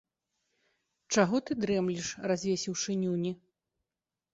Чаго ты дрэмлеш, развесіўшы нюні.